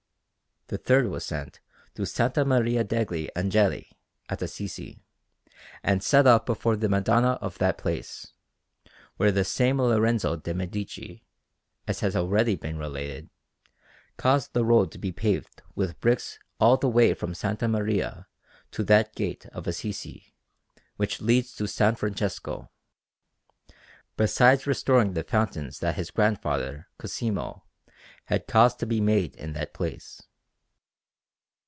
The third was sent to S. Maria degli Angeli at Assisi, and set up before the Madonna of that place, where the same Lorenzo de' Medici, as has been already related, caused the road to be paved with bricks all the way from S. Maria to that gate of Assisi which leads to S. Francesco, besides restoring the fountains that his grandfather Cosimo had caused to be made in that place.